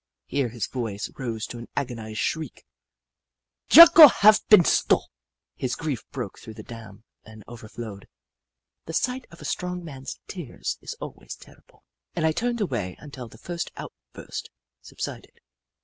" Here his voice rose to an agonised shriek :" Jocko haf been stole I " His grief broke through the dam and over flowed. The sight of a strong man's tears is always terrible, and I turned away until the first outburst subsided.